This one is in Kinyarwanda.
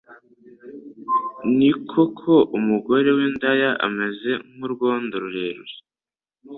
ni koko umugore w’indaya ameze nk’urwobo rurerure